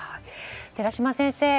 寺嶋先生。